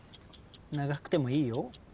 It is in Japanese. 長くてもいいよ。